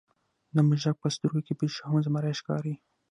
د موږک په سترګو کې پیشو هم زمری ښکاري.